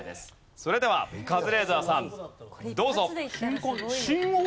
それではカズレーザーさんどうぞ。